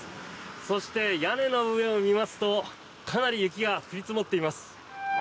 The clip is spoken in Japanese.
そして、屋根の上を見ますとかなり雪が降り積もっています。